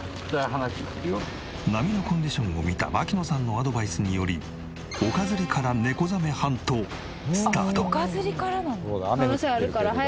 波のコンディションを見た秋野さんのアドバイスにより陸釣りからネコザメハントスタート。